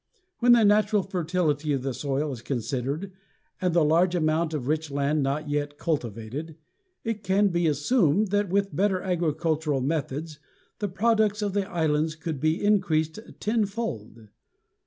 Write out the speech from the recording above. When the natural fertility of the soil is considered and the large amount of rich land not yet cultivated, it can be assumed that with better agricultural methods the products of the islands could be increased tenfold.